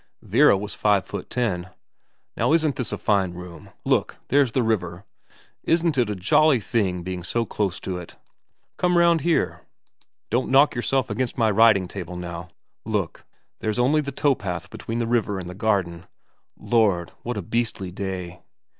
Vera was five foot ten. Now isn't this a fine room ? Look there's the river. Isn't it jolly being so close to it ? Come round here don't knock against my writing table, now. Look there's only the towpath between the river and the garden. Lord, what a beastly day.